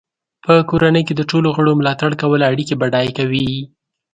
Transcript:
په کورنۍ کې د ټولو غړو ملاتړ کول اړیکې بډای کوي.